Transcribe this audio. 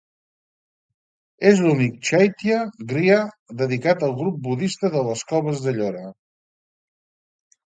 És l'únic chaitya griha dedicat del grup budista de les coves d'Ellora.